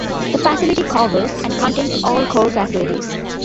The facility covers and contains all core facilities.